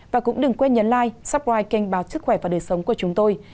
và cũng đừng quên nhấn like subscribe kênh báo chức khỏe và đời sống của chúng tôi